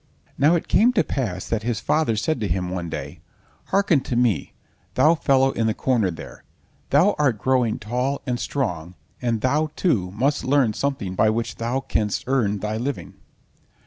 Now it came to pass that his father said to him one day: "Hearken to me, thou fellow in the corner there, thou art growing tall and strong, and thou, too, must learn something by which thou canst earn thy living.